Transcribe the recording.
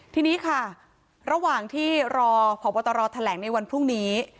ทีนี้ค่ะระหว่างที่รอพบตรแถลงในวันพรุ่งนี้